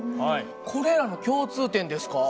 これらの共通点ですか？